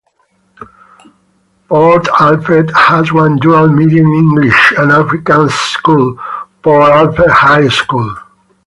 Port Alfred has one dual medium English and Afrikaans school, Port Alfred High School.